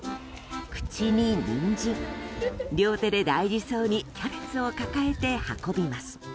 口にニンジン、両手で大事そうにキャベツを抱えて運びます。